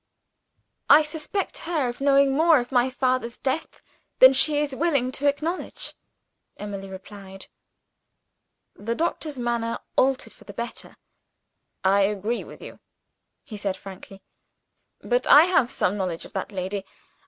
"I suspect her of knowing more of my father's death than she is willing to acknowledge," Emily replied. The doctor's manner altered for the better. "I agree with you," he said frankly. "But I have some knowledge of that lady.